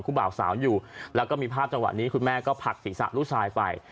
บ่าวสาวอยู่แล้วก็มีภาพจังหวะนี้คุณแม่ก็ผลักศีรษะลูกชายไป